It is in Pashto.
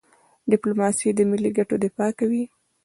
ډيپلوماسي د ملي ګټو دفاع کوي.